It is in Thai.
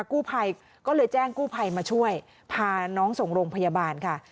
กู้ภัยก็เลยแจ้งกู้ภัยมาช่วยพาน้องส่งโรงพยาบาลค่ะ